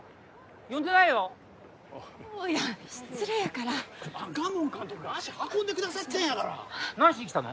呼んでないよお父やん失礼やからあの賀門監督が足運んでくださってんやから何しに来たの？